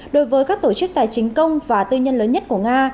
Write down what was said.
đối với các tổ chức tài chính công và tư nhân lớn nhất của nga